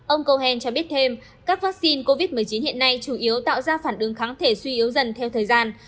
ông cohen cho biết thêm các vaccine covid một mươi chín hiện nay chủ yếu tạo ra phản ứng kháng thể suy yếu dần theo thời gian